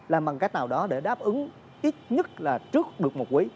làm bằng cách nào đó để đáp ứng ít nhất là trước được một quý